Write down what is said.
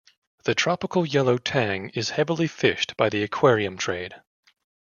The tropical yellow tang is heavily fished by the aquarium trade.